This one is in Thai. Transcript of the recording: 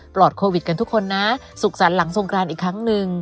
ปลอดโควิดกันทุกคนนะสุขสันต์หลังทรงกรานอีกครั้งนึง